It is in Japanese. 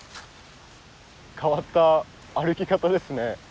変わった歩き方ですね。